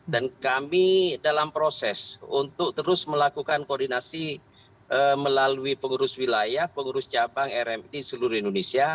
dan kami dalam proses untuk terus melakukan koordinasi melalui pengurus wilayah pengurus cabang rmi di seluruh indonesia